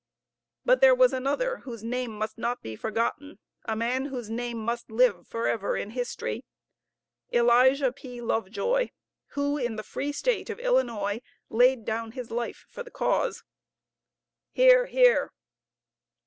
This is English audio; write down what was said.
But there was another whose name must not be forgotten, a man whose name must live for ever in history, Elijah P. Lovejoy, who in the free State of Illinois laid down his life for the cause. (Hear, hear.)